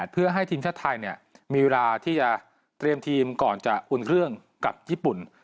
เพื่อให้ทีมชาติไทยมีเวลาที่จะเตรียมทีมก่อนจะอุ่นเครื่องกับญี่ปุ่น